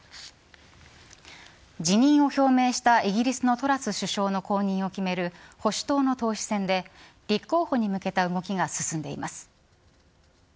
辞任を表明したイギリスのトラス首相の後任を決める保守党の党首選で立候補に向けた動きが進んでいます。